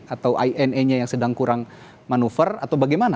atau ina nya yang sedang kurang manuver atau bagaimana